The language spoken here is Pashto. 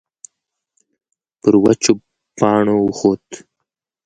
پر وچو پاڼو وخوت.